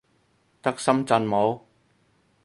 得深圳冇